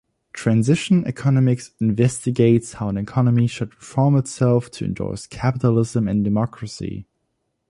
Transition economics investigates how an economy should reform itself to endorse capitalism and democracy.